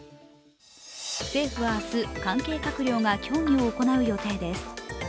政府は明日、関係閣僚が協議を行う予定です。